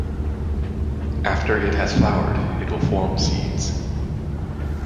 After it has flowered it will form seeds.